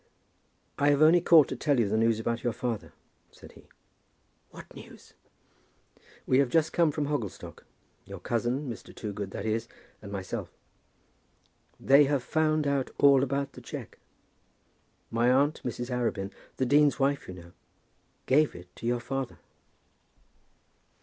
"I have only called to tell you the news about your father," said he. "What news?" "We have just come from Hogglestock, your cousin, Mr. Toogood, that is, and myself. They have found out all about the cheque. My aunt, Mrs. Arabin, the dean's wife, you know, she gave it to your father."